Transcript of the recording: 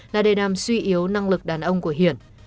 là đề nàm suy yếu năng lực đàn ông của hiển